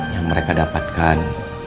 yang mereka dapatkan